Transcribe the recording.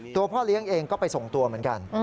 พ่อเลี้ยงเองก็ไปส่งตัวเหมือนกัน